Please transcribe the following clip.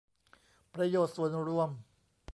ประโยชน์ส่วนรวม